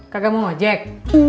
kagak mau ojek